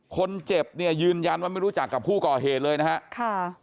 คนเจ็บเนี่ยยืนยันว่าไม่รู้จักกับผู้ก่อเหตุเลยนะฮะค่ะ